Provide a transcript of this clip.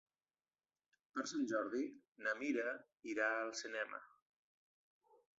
Per Sant Jordi na Mira irà al cinema.